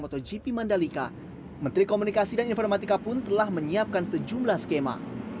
motogp mandalika menteri komunikasi dan informatika pun telah menyiapkan sejumlah skema